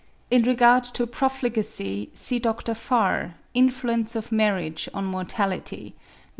In regard to profligacy, see Dr. Farr, 'Influence of Marriage on Mortality,' 'Nat.